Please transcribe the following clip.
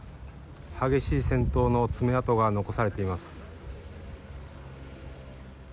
激しい戦闘の爪痕が残されています。